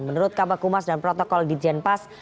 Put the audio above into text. menurut kabakumas dan protokol ditjenpas